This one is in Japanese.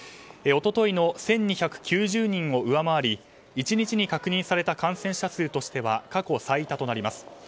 一昨日の１２９０人を上回り１日に確認された感染者数としては過去最多となります。